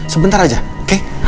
sebentar aja oke